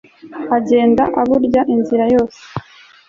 agenda aburya inzira yose